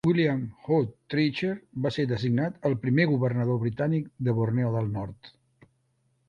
William Hood Treacher va ser designat el primer governador britànic de Borneo del Nord.